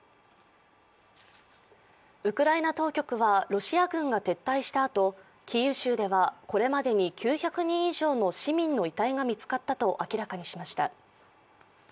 ウクライナ当局はロシア軍が撤退したあとキーウ州ではこれまでに９００人以上の市民の遺体が見つかったと明らかにしました。